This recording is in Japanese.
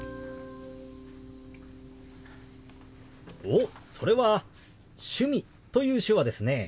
おっそれは「趣味」という手話ですね。